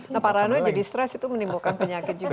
nah paranoid jadi stress itu menimbulkan penyakit juga